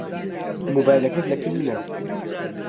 مۆبایلەکەت لەکن منە.